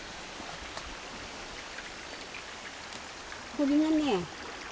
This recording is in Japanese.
これがね